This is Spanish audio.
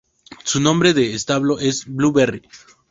Su nombre de establo es Blueberry.